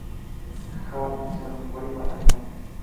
Gal nació en Weimar, Alemania.